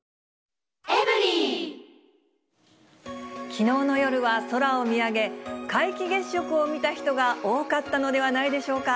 きのうの夜は空を見上げ、皆既月食を見た人が多かったのではないでしょうか。